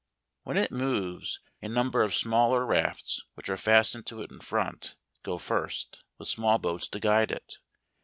73 When it moves, a number of smaller rafts, which are fastened to it in front, go first; with small boats to guide it.